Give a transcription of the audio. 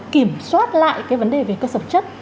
kiểm soát lại cái vấn đề về cơ sở chất